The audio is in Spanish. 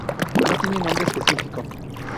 No tiene nombre específico.